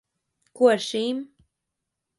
Ko ar šīm?